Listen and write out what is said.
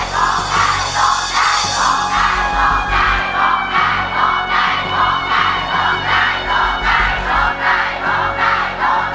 โทษใจโทษใจโทษใจโทษใจ